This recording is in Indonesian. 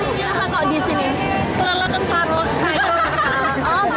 semua orang senang